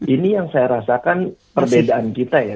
ini yang saya rasakan perbedaan kita ya